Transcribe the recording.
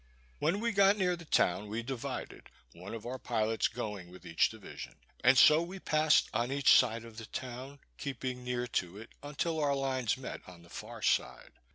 When we got near the town we divided; one of our pilots going with each division. And so we passed on each side of the town, keeping near to it, until our lines met on the far side.